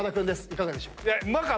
いかがでしょうか？